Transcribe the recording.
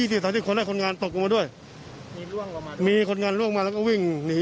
พุ่งชมแบบมอไซด์กระเด็นมาแบบนี้